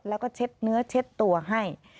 แล้วก็เช็ดเนื้อเช็ดตัวให้